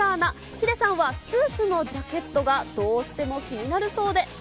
ヒデさんはスーツのジャケットがどうしても気になるそうで。